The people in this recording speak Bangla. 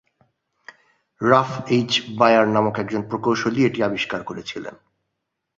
রাফ এইচ বায়ার নামক একজন প্রকৌশলী এটি আবিষ্কার করেছিলেন।